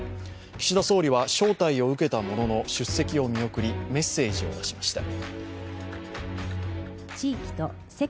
岸田総理は招待を受けたものの出席を見送りメッセージを出しました。